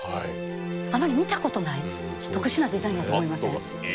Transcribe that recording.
あまり見たことない特殊なデザインやと思いません？